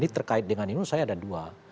nah ini terkait dengan ini menurut saya ada dua